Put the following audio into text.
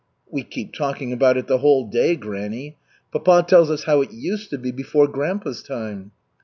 "We keep talking about it the whole day, granny. Papa tells us how it used to be before grandpa's time.